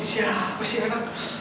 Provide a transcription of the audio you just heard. siapa sih anak